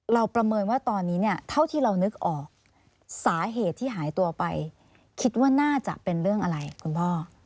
ประเมินว่าตอนนี้เนี่ยเท่าที่เรานึกออกสาเหตุที่หายตัวไปคิดว่าน่าจะเป็นเรื่องอะไรคุณพ่อ